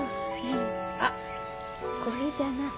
あっこれじゃな。